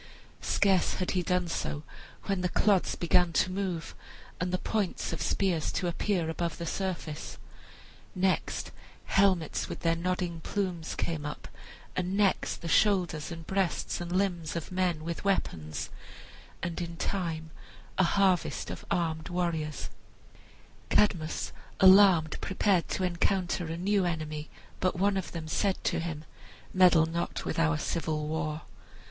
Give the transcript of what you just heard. Scarce had he done so when the clods began to move, and the points of spears to appear above the surface. Next helmets with their nodding plumes came up, and next the shoulders and breasts and limbs of men with weapons, and in time a harvest of armed warriors. Cadmus, alarmed, prepared to encounter a new enemy, but one of them said to him, "Meddle not with our civil war."